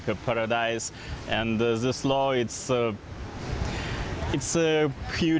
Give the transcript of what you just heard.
karena biasanya ini seperti paradis